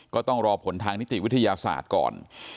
ก็ต้องรอผลทางนิติวิทยาศาสตร์ก่อน